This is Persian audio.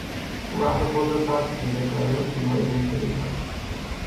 او وقت خود را صرف پیدا کردن پولهای گمشده کرد.